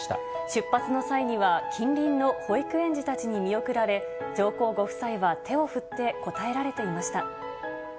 出発の際には近隣の保育園児たちに見送られ、上皇ご夫妻は手を振って応えられていました。